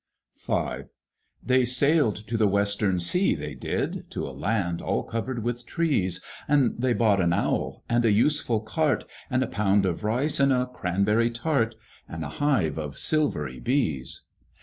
V. They sailed to the Western sea, they did, To a land all covered with trees, And they bought an Owl, and a useful Cart, And a pound of Rice, and a Cranberry Tart, And a hive of silvery Bees.